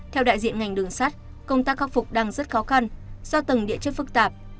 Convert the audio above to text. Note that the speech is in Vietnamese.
theo đại diện ngành đường sắt công tác khắc phục đang rất khó khăn do tầng địa chất phức tạp